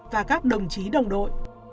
và các đồng chí đồng đội